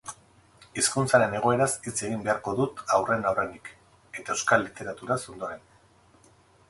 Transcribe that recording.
Hizkuntzaren egoeraz hitz egin beharko dut aurren-aurrenik, eta euskal literaturaz ondoren.